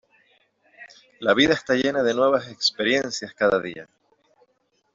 La vida está llena de nuevas experiencias cada día.